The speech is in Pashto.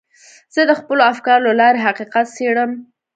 زه د خپلو افکارو له لارې حقیقت څېړم.